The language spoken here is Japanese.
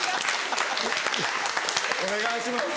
お願いします。